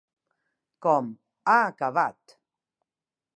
Com: "Ha acabat!